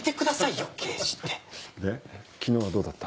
で昨日はどうだった？